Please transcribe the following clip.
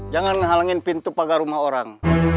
jangan menghalangin pintu pagar rumah orang